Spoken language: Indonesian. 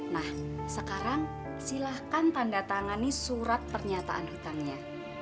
nah sekarang silahkan tanda tangani surat pernyataan hutangnya